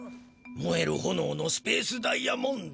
もえるほのおのスペースダイヤモンド？